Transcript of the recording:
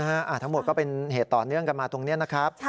ทั้งหมดก็เป็นเหตุต่อเนื่องกันมาตรงนี้นะครับ